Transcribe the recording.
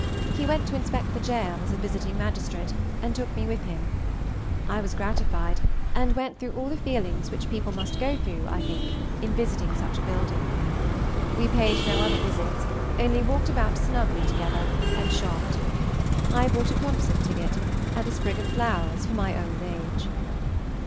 He went to inspect the gaol, as a visiting magistrate, and took me with him. I was gratified, and went through all the feelings which people must go through, I think, in visiting such a building. We paid no other visits, only walked about snugly together, and shopped. I bought a concert ticket and a sprig of flowers for my old age.